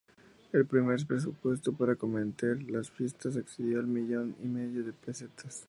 El primer presupuesto para acometer las fiestas ascendió a millón y medio de pesetas.